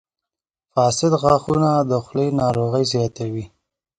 • فاسد غاښونه د خولې ناروغۍ زیاتوي.